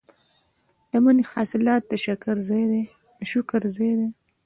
د مني حاصلات د شکر ځای دی.